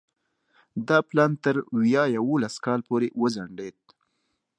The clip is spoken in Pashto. دا پلان تر ویا یوولس کال پورې وځنډېد.